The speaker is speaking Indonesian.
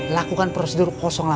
lakukan prosedur delapan